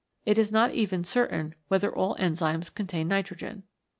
It is not even certain whether all enzymes contain nitrogen.